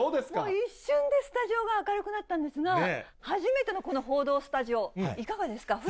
一瞬でスタジオが明るくなったんですが、初めてのこの報道スタジオ、いかがですか？